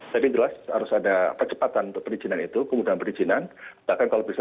tapi jelas harus ada percepatan untuk perizinan itu kemudahan perizinan bahkan kalau bisa